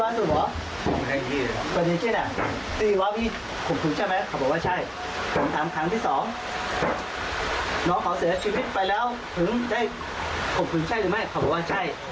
ผึงพมพึงใช่หรือไม่เขาบอกว่าใช่